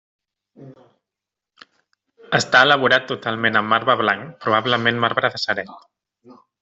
Està elaborat totalment amb marbre blanc, probablement marbre de Ceret.